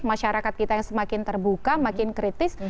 masyarakat kita yang semakin terbuka makin kritis